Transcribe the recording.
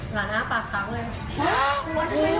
หลังหน้าปลากรังเลย